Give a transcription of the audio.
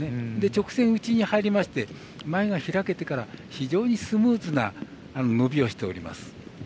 直線内に入りまして前が開けてから非常にスムーズな伸びをしております。